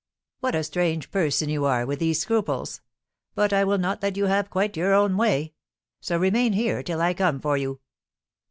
"What a strange person you are with these scruples! But I will not let you have quite your own way. So remain here till I come for you."